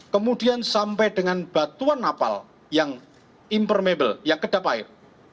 kemudian sampai dengan batuan napal yang impermable yang kedap air